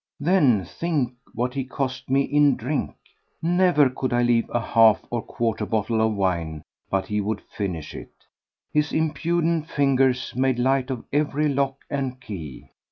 Then think what he cost me in drink! Never could I leave a half or quarter bottle of wine but he would finish it; his impudent fingers made light of every lock and key.